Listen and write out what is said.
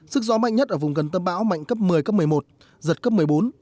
sức gió mạnh nhất ở vùng gần tâm bão mạnh cấp một mươi cấp một mươi một giật cấp một mươi bốn